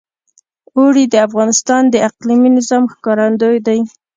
اوړي د افغانستان د اقلیمي نظام ښکارندوی ده.